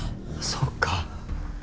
そっか。